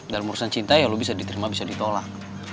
dalam urusan cinta ya lo bisa diterima bisa ditolak